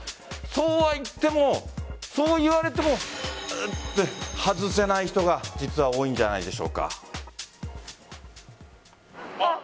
そうは言っても、そう言われても外せない人が実は多いんじゃないでしょうか。